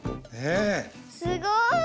すごい。